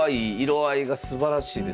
色合いがすばらしいですね。